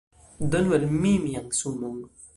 Donu al mi mian sumon!